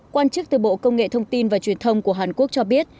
quan chức từ bộ công nghệ thông tin và truyền thông của hàn quốc cho biết